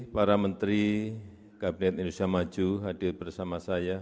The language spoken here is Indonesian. para menteri kabinet indonesia maju hadir bersama saya